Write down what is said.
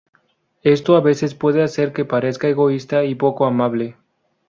Esto a veces puede hacer que parezca egoísta y poco amable.